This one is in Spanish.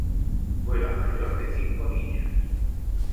Fue la mayor de cinco niñas.